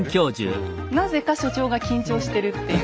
なぜか所長が緊張してるっていう。